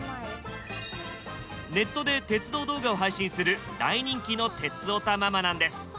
ネットで鉄道動画を配信する大人気の鉄オタママなんです。